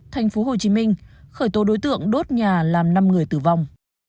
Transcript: tp hcm khởi tố đối tượng đốt nhà làm năm người tử vong